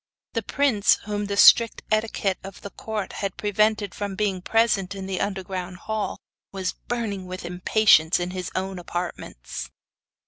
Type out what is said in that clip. The prince, whom the strict etiquette of the court had prevented from being present in the underground hall, was burning with impatience in his own apartments.